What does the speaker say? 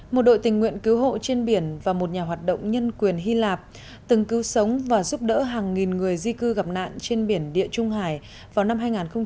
một đội tình nguyện cứu hộ trên biển và một nhà hoạt động nhân quyền hy lạp từng cứu sống và giúp đỡ hàng nghìn người di cư gặp nạn trên biển địa trung hải vào năm hai nghìn một mươi